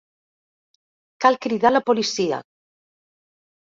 Cal cridar la policia!